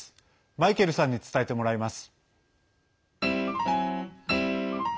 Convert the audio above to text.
マイケルさんに伝えてもらいます。